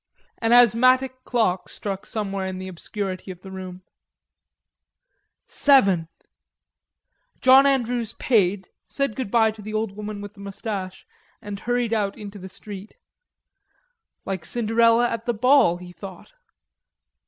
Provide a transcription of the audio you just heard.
An asthmatic clock struck somewhere in the obscurity of the room. "Seven!" John Andrews paid, said good bye to the old woman with the mustache, and hurried out into the street. "Like Cinderella at the ball," he thought.